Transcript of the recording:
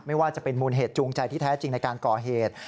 ไม่ว่าจะเป็นมูลเหตุจูงใจที่แท้จริงในการก่อเหตุ